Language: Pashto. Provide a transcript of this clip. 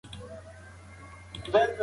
که مسواک وکاروې نو په رزق کې به دې برکت راشي.